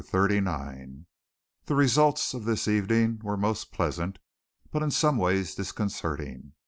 CHAPTER XXXIX The results of this evening were most pleasant, but in some ways disconcerting.